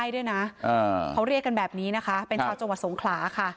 ด้วยนะเขาเรียกกันแบบนี้นะคะเป็นชาวจังหวัดสงขลาค่ะ